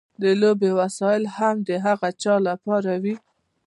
د لوبو وسایل هم د هغه چا لپاره وي.